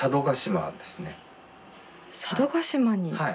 佐渡島に！